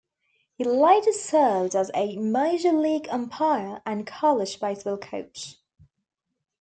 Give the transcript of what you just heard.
He later served as a major league umpire and college baseball coach.